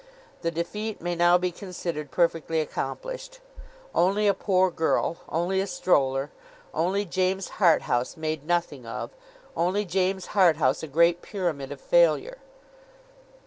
'The defeat may now be considered perfectly accomplished. Only a poor girl—only a stroller—only James Harthouse made nothing of—only James Harthouse a Great Pyramid of failure.